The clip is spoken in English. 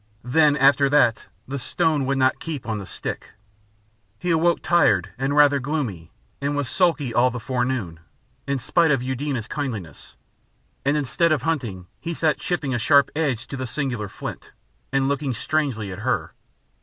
Then after that the stone would not keep on the stick. He awoke tired and rather gloomy, and was sulky all the forenoon, in spite of Eudena's kindliness, and instead of hunting he sat chipping a sharp edge to the singular flint, and looking strangely at her.